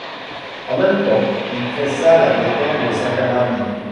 En même temps il pressa la détente de sa carabine.